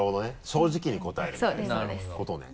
正直に答えるみたいなことね。